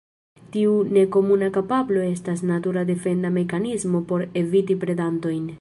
Tiu nekomuna kapablo estas natura defenda mekanismo por eviti predantojn.